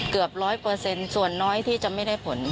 เกือบร้อยเปอร์เซ็นต์ส่วนน้อยที่จะไม่ได้ผล